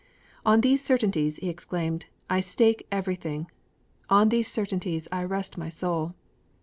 'On these certainties,' he exclaimed, 'I stake everything! On these certainties I rest my soul!'